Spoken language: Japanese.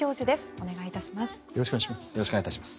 お願いいたします。